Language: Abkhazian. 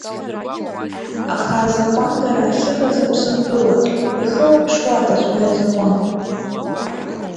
Аха азакәандара ахьыҟаз Аԥсынтәыла, иахылаԥшуадаз уи азакәан.